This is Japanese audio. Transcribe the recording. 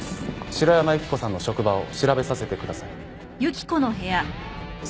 城山由希子さんの職場を調べさせてください。